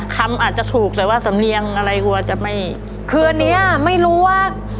อาจจะถูกแต่ว่าสำเนียงอะไรกลัวจะไม่คืออันเนี้ยไม่รู้ว่า